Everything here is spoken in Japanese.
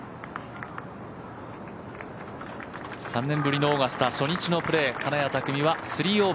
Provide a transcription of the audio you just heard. ３年ぶりのオーガスタ初日のプレー